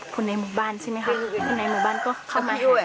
คนในหมู่บ้านใช่ไหมค่ะคนในหมู่บ้านก็เข้ามาให้